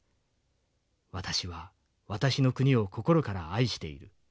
私は私の国を心から愛している。